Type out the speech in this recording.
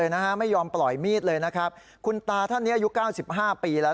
นะฮะไม่ยอมปล่อยมีดเลยนะครับคุณตาท่านนี้อายุเก้าสิบห้าปีแล้ว